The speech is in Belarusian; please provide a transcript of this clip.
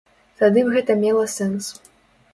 Тады б гэта мела сэнс.